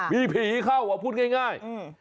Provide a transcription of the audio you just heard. มีผีเข้าพูดง่าย